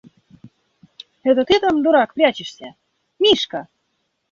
– Это ты там, дурак, прячешься? – Мишка!